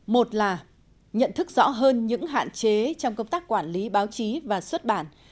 một là nhận thức rõ hơn những hạn chế trong công tác quản lý báo chí và xuất bản